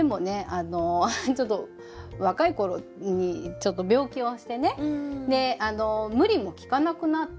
あのちょっと若い頃にちょっと病気をしてねであの無理も利かなくなって。